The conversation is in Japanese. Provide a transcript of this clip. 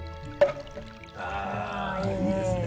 あいいですね。